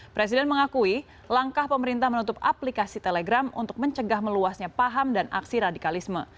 presiden mengakui langkah pemerintah menutup aplikasi telegram untuk mencegah meluasnya paham dan aksi radikalisme